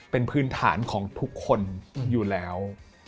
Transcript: เป็นพื้นฐานของทุกคนอยู่แล้ว